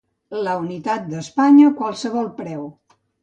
La unitat d’Espanya a qualsevol preu.